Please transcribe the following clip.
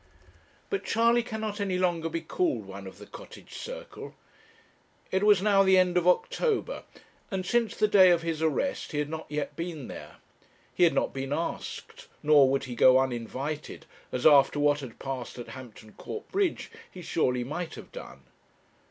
But Charley cannot any longer be called one of the Cottage circle. It was now the end of October, and since the day of his arrest, he had not yet been there. He had not been asked; nor would he go uninvited, as after what had passed at Hampton Court Bridge he surely might have done.